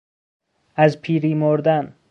از پیری مردن